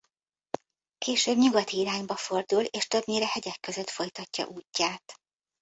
Később nyugati irányba fordul és többnyire hegyek között folytatja útját.